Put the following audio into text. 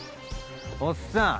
おっさん